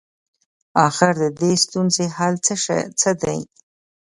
اخر ددې ستونزي حل څه دی؟